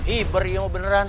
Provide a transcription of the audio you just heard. ibar iya mau beneran